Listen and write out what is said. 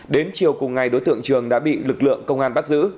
đến chiều cùng ngày đối tượng trường đã bị lực lượng công an bắt giữ